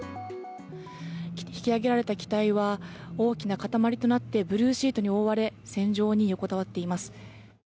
引き揚げられた機体は大きな塊となってブルーシートに覆われ船上に横たわっています。